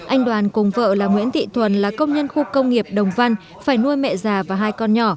anh đoàn cùng vợ là nguyễn thị thuần là công nhân khu công nghiệp đồng văn phải nuôi mẹ già và hai con nhỏ